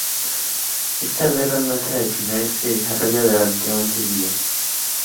Esta guerra no tradicional se desarrolla durante once días.